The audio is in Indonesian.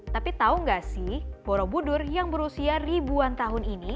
tapi tahu nggak sih borobudur yang berusia ribuan tahun ini